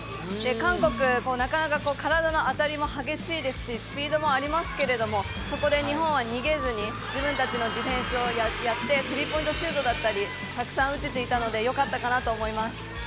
韓国、なかなか体の当たりも激しいですし、スピードもありますけれどもそこで日本は逃げずに自分たちのディフェンスをやってスリーポイントシュートだったりたくさん打てていたので良かったかなと思います。